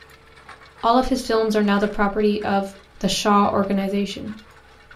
All of his films are now the property of the Shaw Organisation.